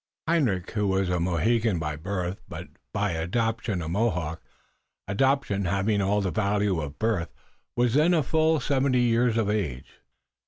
Hendrik, who was a Mohegan by birth but by adoption a Mohawk, adoption having all the value of birth, was then a full seventy years of age.